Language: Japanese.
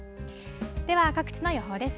では、各地の予報です。